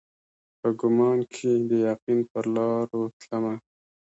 په ګمان کښي د یقین پرلارو تلمه